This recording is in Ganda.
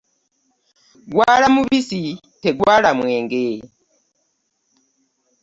Gwala mubissi tegwala mwenge .